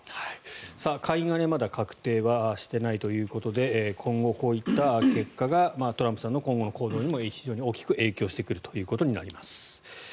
下院はまだ確定はしていないということで今後、こういった行動がトランプさんの今後の行動にも非常に大きく影響してくるということになります。